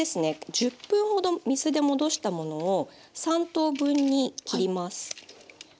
１０分ほど水で戻したものを３等分に切ります。